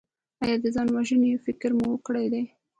ایا د ځان وژنې فکر مو کړی دی؟